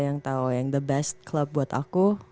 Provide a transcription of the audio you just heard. yang tau yang the best klub buat aku